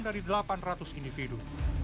dari delapan ratus individu